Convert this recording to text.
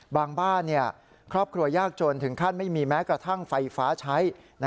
บ้านครอบครัวยากจนถึงขั้นไม่มีแม้กระทั่งไฟฟ้าใช้